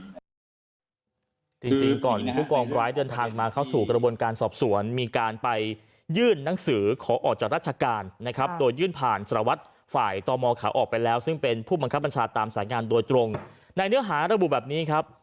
จริงก่อนผู้กองร้ายเดินทางมาเข้าสู่กระบวนการสอบสวนมีการไปยื่นหนังสือขอออกจากราชการนะครับโดยยื่นผ่านสารวัตรฝ่ายต่อมอขาออกไปแล้วซึ่งเป็นผู้บังคับบัญชาตามสายงานโดยตรงในเนื้อหาระบุแบบนี้ครับ